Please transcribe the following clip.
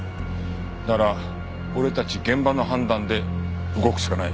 なら俺たち現場の判断で動くしかない。